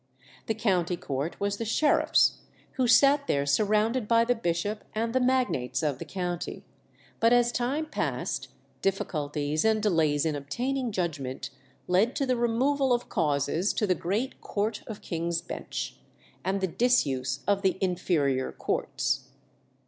The County Court was the sheriff's, who sat there surrounded by the bishop and the magnates of the county; but as time passed, difficulties and delays in obtaining judgment led to the removal of causes to the great Court of King's Bench, and the disuse of the inferior courts.